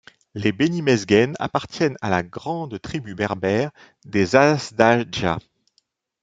Les Beni Mesguen appartiennent à la grande tribu berbère des Azdadja.